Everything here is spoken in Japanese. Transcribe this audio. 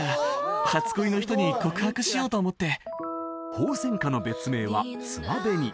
ホウセンカの別名は爪紅